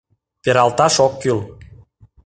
— Пералташ ок кӱл.